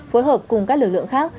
phối hợp cùng các lực lượng khác